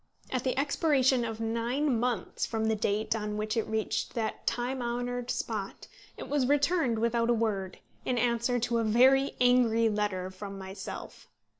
At the expiration of nine months from the date on which it reached that time honoured spot it was returned without a word, in answer to a very angry letter from myself.